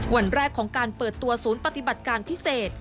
วันแรกของการเปิดตัวศูนย์ปฏิบัติการพิเศษ